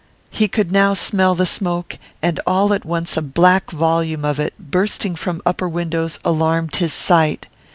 He could now smell the smoke, and all at once a black volume of it, bursting from upper windows, alarmed his sight.